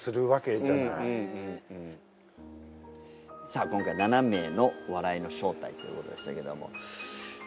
さあ今回７名の笑いの正体ということでしたけども。